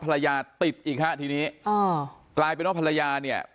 ภรรยาติดอีกฮะทีนี้อ๋อกลายเป็นว่าภรรยาเนี่ย